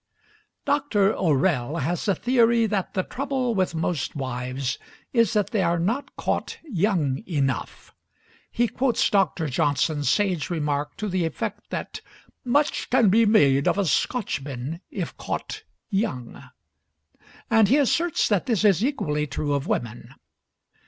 Dr. O'Rell has a theory that the trouble with most wives is that they are not caught young enough; he quotes Dr. Johnson's sage remark to the effect that "much can be made of a Scotchman if caught young," and he asserts that this is equally true of woman.